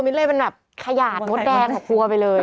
มิ๊นท์เลยเป็นแบบขยะมดแดงของครัวไปเลย